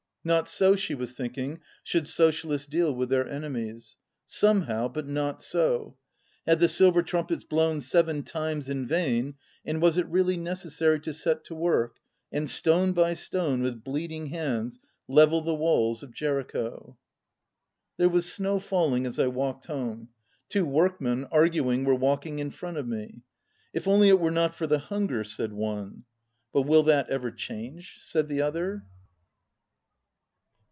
Not so, she was think ing, should socialists deal with their enemies. Somehow, but not so. Had the silver trumpets blown seven times vn vain, and was it really neces sary to set to work and, stone by stone, with bleed ing hands, level the walls of Jericho? There was snow falling as I walked home. Two workmen, arguing, were walking in front of 62 me. "If only it were not for the hunger," said one. "But will that ever change?" said the other.